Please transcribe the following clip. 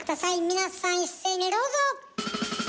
皆さん一斉にどうぞ！